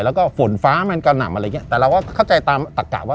แล้วก็ฝนฟ้าเหมือนกันแต่เราก็เข้าใจตามตัดกากว่า